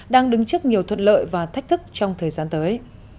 đang đứng trước nhiều thuận lợi và thách thức trong thời gian tới